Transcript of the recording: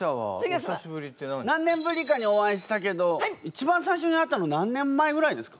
何年ぶりかにお会いしたけど一番最初に会ったの何年前ぐらいですか？